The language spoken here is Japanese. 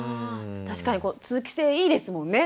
確かにこう通気性いいですもんね。